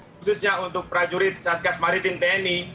khususnya untuk prajurit satgas maritim tni